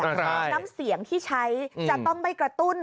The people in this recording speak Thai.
น้ำเสียงที่ใช้จะต้องไม่กระตุ้น